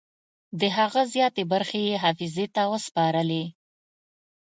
د هغه زیاتې برخې یې حافظې ته وسپارلې.